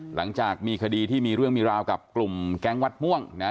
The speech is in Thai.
หลังจากมีคดีที่มีเรื่องมีราวกับกลุ่มแก๊งวัดม่วงนะฮะ